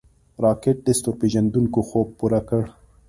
راکټ د ستورپیژندونکو خوب پوره کړ